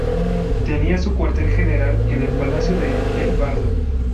Tenía su cuartel general en el Palacio de El Pardo.